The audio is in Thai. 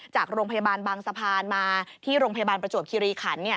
จากโรงพยาบาลบางสะพานมาที่โรงพยาบาลประจวบคิริขัน